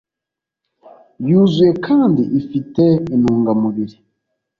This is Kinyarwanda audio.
yuzuye kandi ifite intungamubiri